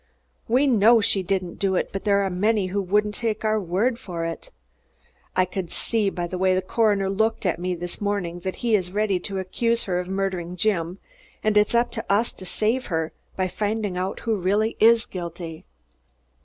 "We know she didn't do it, but there are many who won't take our word for it. I could see by the way the coroner looked at me this morning that he is ready to accuse her of murdering Jim, and it's up to us to save her, by finding out who really is guilty."